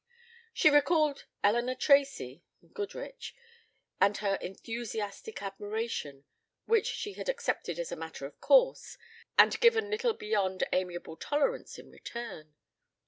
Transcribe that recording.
She recalled Elinor Tracy (Goodrich) and her enthusiastic admiration, which she had accepted as a matter of course, and given little beyond amiable tolerance in return.